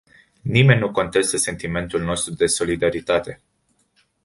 Nimeni nu contestă sentimentul nostru de solidaritate.